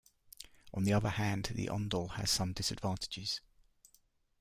On the other hand, the Ondol has some disadvantages.